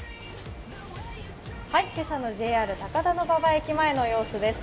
今朝のＪＲ高田馬場駅前の様子です。